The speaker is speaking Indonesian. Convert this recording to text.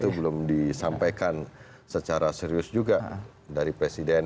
itu belum disampaikan secara serius juga dari presiden